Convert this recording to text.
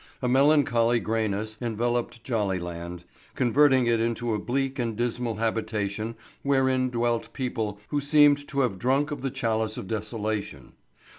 A melancholy grayness enveloped Jollyland, converting it into a bleak and dismal habitation wherein dwelt people who seemed to have drunk of the chalice of desolation.